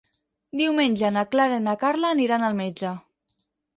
Diumenge na Clara i na Carla aniran al metge.